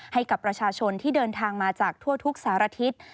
ให้กับประชาชนที่เดินทางมาจากทั่วทุกสารทิศ